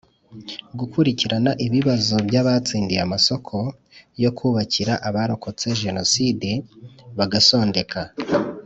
gukurikirana ibibazo bya abatsindiye amasoko yo kubakira abarokotse Jenoside bagasondeka